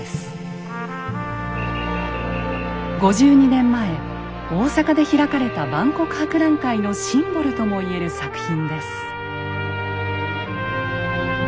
５２年前大阪で開かれた万国博覧会のシンボルとも言える作品です。